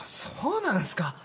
そうなんすか。